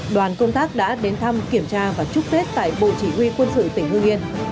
đoàn công tác đã đến thăm kiểm tra và chúc tết tại bộ chỉ huy quân sự tỉnh hương yên